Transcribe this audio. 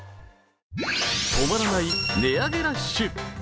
止まらない値上げラッシュ。